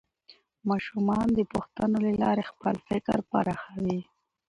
ماشومان د پوښتنو له لارې خپل فکر پراخوي